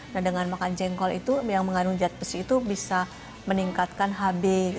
nah dengan makan jengkol itu yang mengandung zat besi itu bisa meningkatkan hb